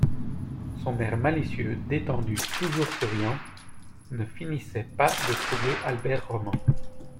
Son air malicieux, détendu, toujours souriant, ne finissait pas de troubler Albert Roman.